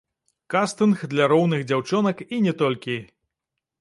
Кастынг для роўных дзяўчонак і не толькі!